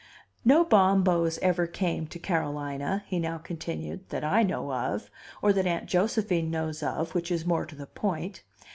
"No Bombos ever came to Carolina," he now continued, "that I know of, or that Aunt Josephine knows of, which is more to the point.